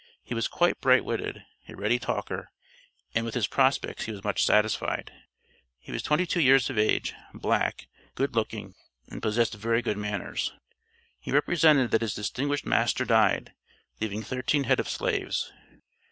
He was quite bright witted, a ready talker, and with his prospects he was much satisfied. He was twenty two years of age, black, good looking, and possessed very good manners. He represented, that his distinguished master died, leaving thirteen head of slaves.